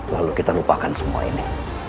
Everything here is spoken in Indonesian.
lalu kita lupakan semua ini